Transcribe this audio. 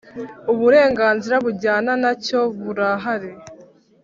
uburenganzira bujyana na cyo burahari